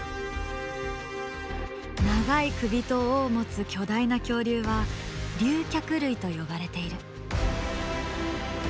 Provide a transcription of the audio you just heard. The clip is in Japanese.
長い首と尾を持つ巨大な恐竜は竜脚類と呼ばれている。